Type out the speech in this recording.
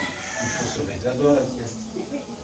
Il faut sauver d'abord la dynastie.